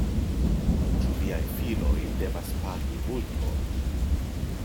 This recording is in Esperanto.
Ĉu viaj filoj devas pagi multon?